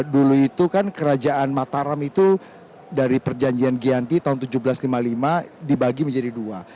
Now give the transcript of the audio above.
dulu itu kan kerajaan mataram itu dari perjanjian giyanti tahun seribu tujuh ratus lima puluh lima dibagi menjadi dua